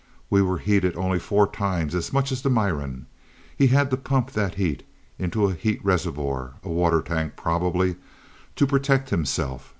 We were heated only four times as much as the Miran. He had to pump that heat into a heat reservoir a water tank probably to protect himself.